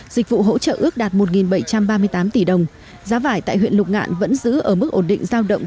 dịch vụ hỗ trợ ước đạt một bảy trăm ba mươi tám tỷ đồng giá vải tại huyện lục ngạn vẫn giữ ở mức ổn định giao động